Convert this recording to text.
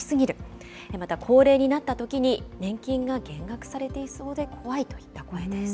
また、高齢になったときに年金が減額されていそうで怖いといった声です。